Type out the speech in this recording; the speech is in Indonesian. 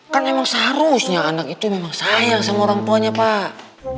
kan memang seharusnya anak itu memang sayang sama orang tuanya pak